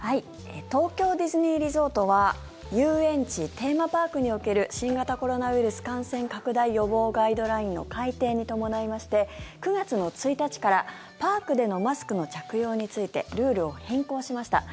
東京ディズニーリゾートは遊園地、テーマパークにおける新型コロナウイルス感染拡大予防ガイドラインの改訂に伴いまして９月の１日からパークでのマスクの着用についてルールを変更しました。